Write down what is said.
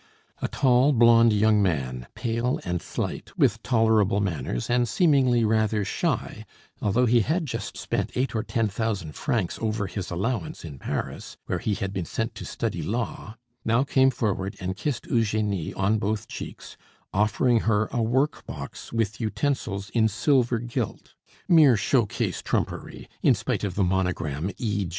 A tall, blond young man, pale and slight, with tolerable manners and seemingly rather shy, although he had just spent eight or ten thousand francs over his allowance in Paris, where he had been sent to study law, now came forward and kissed Eugenie on both cheeks, offering her a workbox with utensils in silver gilt, mere show case trumpery, in spite of the monogram E.